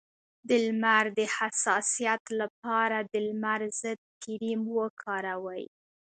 د لمر د حساسیت لپاره د لمر ضد کریم وکاروئ